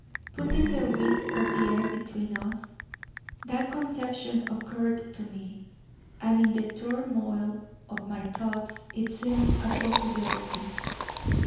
putting the width of the earth between us? That conception occurred to me: and in the turmoil of my thoughts it seemed a possibility.